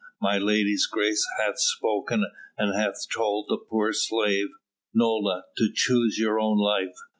My lady's grace hath spoken and hath told the poor slave, Nola, to choose her own life.